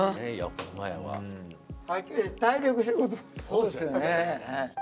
そうですよね。